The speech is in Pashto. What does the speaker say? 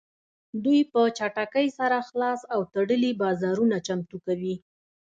دوی په چټکۍ سره خلاص او تړلي بازارونه چمتو کوي